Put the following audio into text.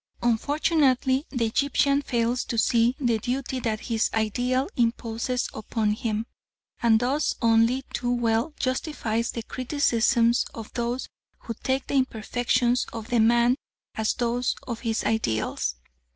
Unfortunately the Egyptian fails to see the duty that his ideal imposes upon him, and thus only too well justifies the criticisms of those who take the imperfections of the man as those of his ideals.